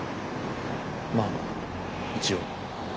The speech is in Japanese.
まあ一応。